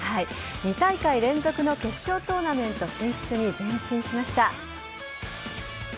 ２大会連続の決勝トーナメント進出に前進しました。